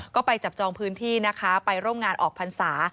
ก็ไปจับจองพื้นที่นะคะไปร่วมงานออกพรรษา